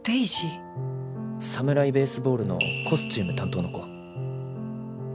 「サムライ・ベースボール」のコスチューム担当の子。